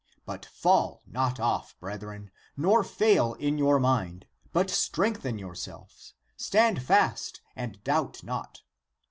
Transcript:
But fall not off, brethren, nor fail in your mind, but strengthen yourselves, stand fast and doubt not.